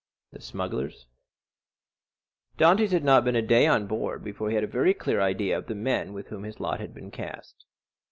The Smugglers Dantès had not been a day on board before he had a very clear idea of the men with whom his lot had been cast.